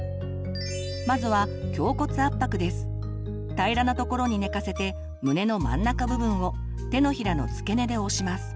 まずは平らなところに寝かせて胸の真ん中部分を手のひらの付け根で押します。